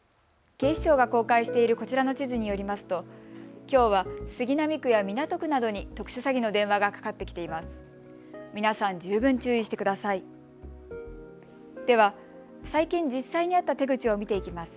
警視庁が公開しているこちらの地図によりますときょうは杉並区や港区などに特殊詐欺の電話がかかってきています。